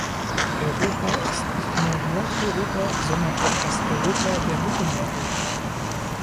Europa ist nicht nur Nordeuropa, sondern auch das Europa der Mittelmeervölker.